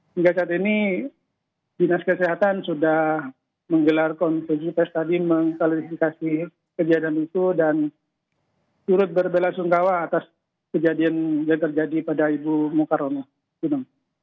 hingga saat ini dinas kesehatan sudah menggelar konferensi pes tadi mengklarifikasi kejadian itu dan turut berbela sungkawa atas kejadian yang terjadi pada ibu mukarono